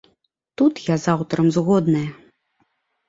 Тут я з аўтарам згодная.